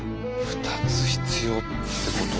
２つ必要ってこと？